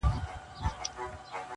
پر خپل کور به د مرګي لاري سپرې کړي-